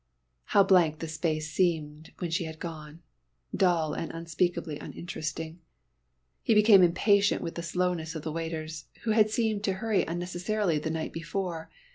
How blank the space seemed when she had gone dull and unspeakably uninteresting. He became impatient with the slowness of the waiters, who had seemed to hurry unnecessarily the night before.